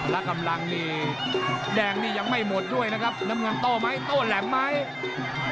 และกำลังนี่แดงนี่ยังไม่หมดด้วยนะครับน้ำเงินโต้ไหมโต้แหลมไหม